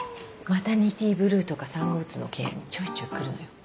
マタニティーブルーとか産後うつのケアにちょいちょい来るのよ。